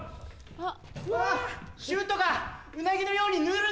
あっ！